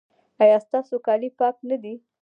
ایا ستاسو کالي پاک نه دي؟